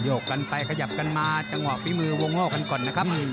กกันไปขยับกันมาจังหวะฝีมือวงโลกกันก่อนนะครับ